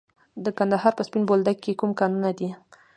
د کندهار په سپین بولدک کې کوم کانونه دي؟